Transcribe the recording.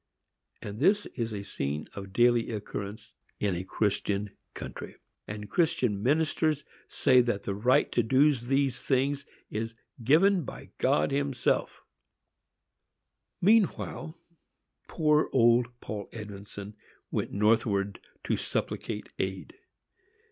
_" And this is a scene of daily occurrence in a Christian country!—and Christian ministers say that the right to do these things is given by God himself!! Meanwhile poor old Paul Edmondson went northward to supplicate aid.